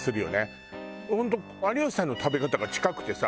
本当有吉さんの食べ方が近くてさ